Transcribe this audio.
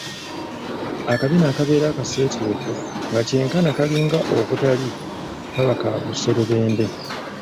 Akabina akabeera akaseeteevu nga kyenkana kulinga okutali kaba ka muserebende